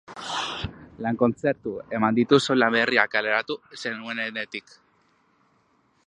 Lau kontzertu eman dituzu lan berria kaleratu zenuenetik.